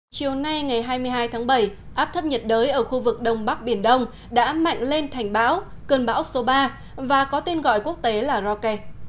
chiều nay ngày hai mươi hai tháng bảy áp thấp nhiệt đới ở khu vực đông bắc biển đông đã mạnh lên thành bão cơn bão số ba và có tên gọi quốc tế là roke